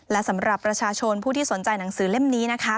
และสำหรับประชาชนผู้ที่สนใจหนังสือเล่มนี้นะคะ